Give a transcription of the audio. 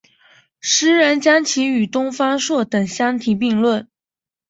时人将其与东方朔等相提并比。